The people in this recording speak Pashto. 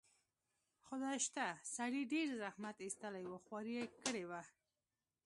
خدای شته، سړي ډېر زحمت ایستلی و، خواري یې کړې وه.